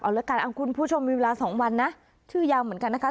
เอาละกันคุณผู้ชมมีเวลา๒วันนะชื่อยาวเหมือนกันนะคะ